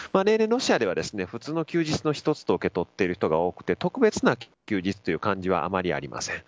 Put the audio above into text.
ロシアでは普通の休日の１つと受け取っている人が多くて特別な休日という感じはあまりありません。